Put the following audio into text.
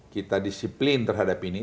kita disiplin terhadap ini